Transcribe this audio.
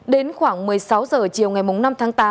đến khoảng một mươi sáu h chiều ngày năm tháng tám